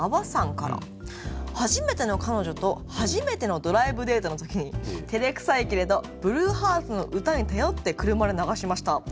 「初めての彼女と初めてのドライブデートの時にてれくさいけれどブルーハーツの歌に頼って車で流しました。